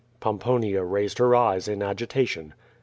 Pomponia raised her eyes in agitation.